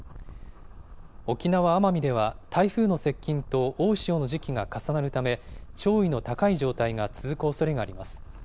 沖縄・奄美では、台風の接近と大潮の時期が重なるため、潮位の高い状態が続くおそれがあります。